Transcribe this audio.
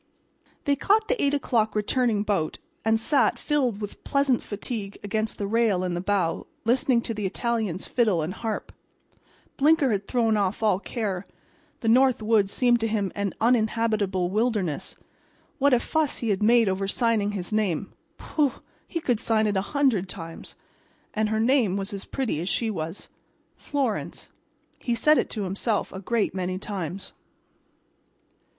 They caught the eight o'clock returning boat and sat, filled with pleasant fatigue, against the rail in the bow, listening to the Italians' fiddle and harp. Blinker had thrown off all care. The North Woods seemed to him an uninhabitable wilderness. What a fuss he had made over signing his name—pooh! he could sign it a hundred times. And her name was as pretty as she was—"Florence," he said it to himself a great many times.